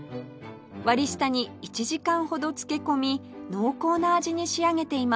割り下に１時間ほど漬け込み濃厚な味に仕上げています